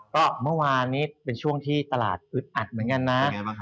ก็เมื่อวานนี้เป็นช่วงที่ตลาดอึดอัดเหมือนกันนะ